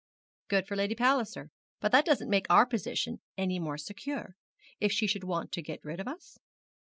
'Good for Lady Palliser; but that doesn't make our position any more secure, if she should want to get rid of us?'